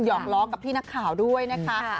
อกล้อกับพี่นักข่าวด้วยนะคะ